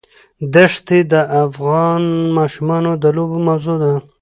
دښتې د افغان ماشومانو د لوبو موضوع ده.